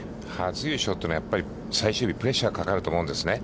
初優勝は、最終日、プレッシャーがかかると思うんですね。